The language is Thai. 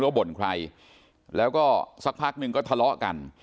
บ่นใครแล้วก็สักพักหนึ่งก็ทะเลาะกัน